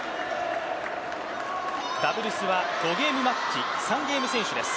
ダブルスは５ゲームマッチ、３ゲーム先取です。